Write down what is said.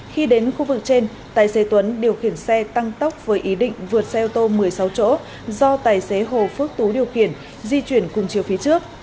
khi đến khu vực trên tài xế tuấn điều khiển xe tăng tốc với ý định vượt xe ô tô một mươi sáu chỗ do tài xế hồ phước tú điều khiển di chuyển cùng chiều phía trước